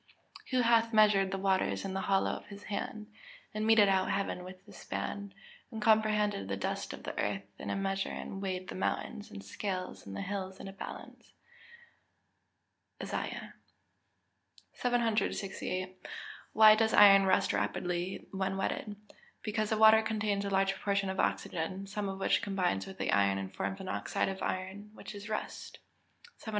[Verse: "Who hath measured the waters in the hollow of his hand, and meted out heaven with the span, and comprehended the dust of the earth in a measure and weighed the mountains in scales, and the hills in a balance?" ISAIAH XL.] 768. Why does iron rust rapidly when wetted? Because the water contains a large proportion of oxygen, some of which combines with the iron and forms an oxide of iron, which is rust. 769.